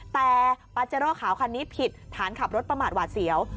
แต่ปาเจโร่ขาวคันนี้ผิดฐานขับรถประมาทหวาดเสียว